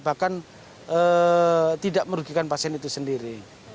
bahkan tidak merugikan pasien itu sendiri